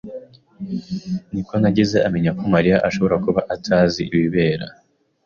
Nikonagize amenya ko Mariya ashobora kuba atazi ibibera.